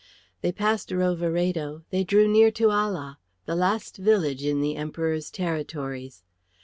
They passed Roveredo; they drew near to Ala, the last village in the Emperor's territories.